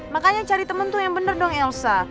makanya cari temen tuh yang bener dong elsa